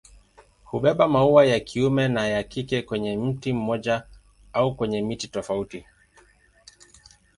Hubeba maua ya kiume na ya kike kwenye mti mmoja au kwenye miti tofauti.